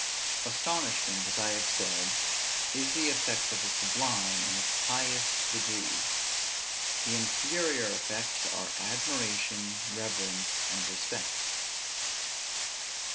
Astonishment, as I have said, is the effect of the sublime in its highest degree; the inferior effects are admiration, reverence, and respect.